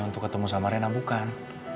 untuk ketemu sama rena bukan